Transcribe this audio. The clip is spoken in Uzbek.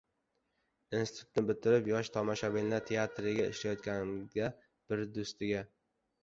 Institutni bitirib Yosh tomoshabinlar teatrida ishlayotganimda bir do‘stiga: